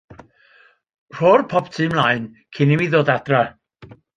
Rho'r popty mlaen cyn i mi ddod adra.